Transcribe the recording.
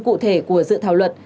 cụ thể của dự thảo luật